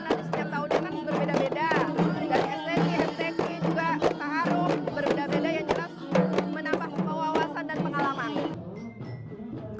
dari esleki esleki ita'aruf berbeda beda yang jelas menambah kewawasan dan pengalaman